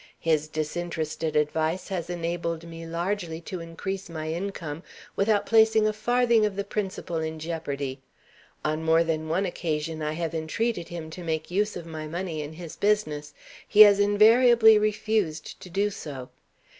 His disinterested advice has enabled me largely to increase my income, without placing a farthing of the principal in jeopardy. On more than one occasion, I have entreated him to make use of my money in his business. He has invariably refused to do so.